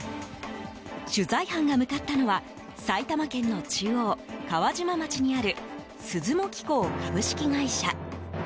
取材班が向かったのは埼玉県の中央、川島町にある鈴茂器工株式会社。